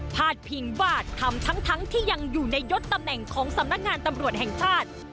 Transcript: ดพิงว่าทำทั้งที่ยังอยู่ในยศตำแหน่งของสำนักงานตำรวจแห่งชาติ